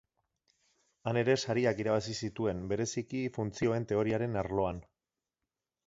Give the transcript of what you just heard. Han ere sariak irabazi zituen, bereziki funtzioen teoriaren arloan.